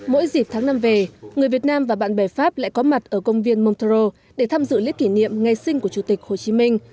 mỗi dịp tháng năm về người việt nam và bạn bè pháp lại có mặt ở công viên montreux để tham dự lễ kỷ niệm ngày sinh của chủ tịch hồ chí minh